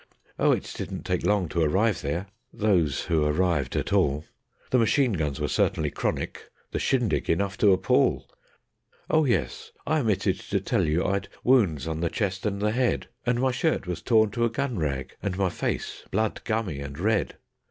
Oh, it didn't take long to arrive there, those who arrived at all; The machine guns were certainly chronic, the shindy enough to appal. Oh yes, I omitted to tell you, I'd wounds on the chest and the head, And my shirt was torn to a gun rag, and my face blood gummy and red.